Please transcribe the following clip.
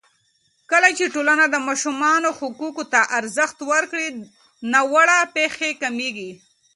کله چې ټولنه د ماشومانو حقونو ته ارزښت ورکړي، ناوړه پېښې کمېږي.